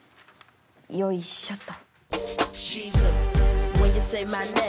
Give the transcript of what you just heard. よいしょと。